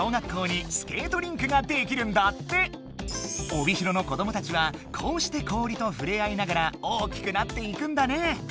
帯広の子どもたちはこうして氷とふれあいながら大きくなっていくんだね。